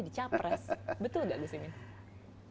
jadi capres betul nggak gus iman